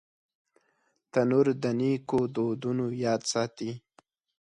تنور د نیکو دودونو یاد ساتي